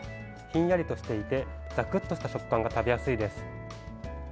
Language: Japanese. ひんやりとしていて、ざくっとした食感が食べやすいです。